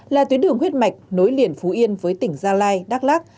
là tuyến đường huyết mạch nối liền phú yên với tỉnh gia lai đắk lắc